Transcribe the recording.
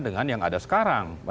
dengan yang ada sekarang